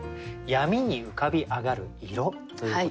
「闇に浮かび上がる色」ということです。